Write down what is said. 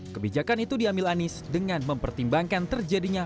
kebijakan itu diambil anies dengan mempertimbangkan terjadinya